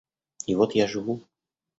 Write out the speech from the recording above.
И вот я живу.